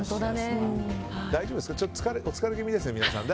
大丈夫ですかお疲れ気味ですね皆さん。